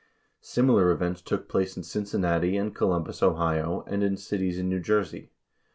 Similar events took place in Cincinnati and Columbus, Ohio, and in cities in New Jersey.